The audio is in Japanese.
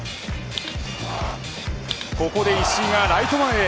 ここで石井がライト前へ。